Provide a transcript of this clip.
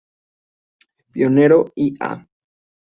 Pinheiro e.a.